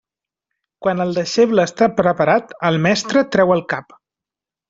Quan el deixeble està preparat, el mestre treu el cap.